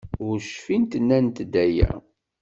Ur cfint nnant-d aya.